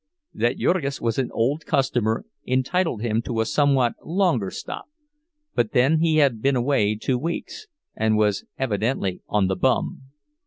That Jurgis was an old customer entitled him to a somewhat longer stop; but then he had been away two weeks, and was evidently "on the bum."